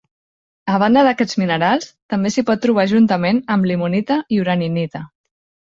A banda d'aquests minerals, també s'hi pot trobar juntament amb limonita i uraninita.